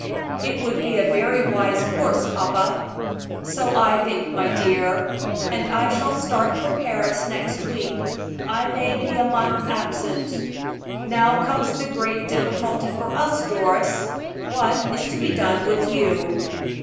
"It would be a very wise course, papa." "So I think, my dear, and I shall start for Paris next week. I may be a month absent. Now comes the great difficulty of all, Doris what is to be done with you?"